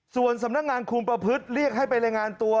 ส่วนสำนักงานคุมประพฤติเรียกให้ไปรายงานตัว